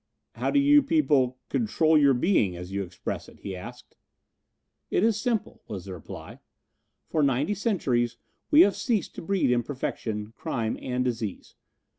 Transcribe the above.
"How do you people control your being, as you express it?" he asked. "It is simple," was the reply. "For ninety centuries we have ceased to breed imperfection, crime and disease.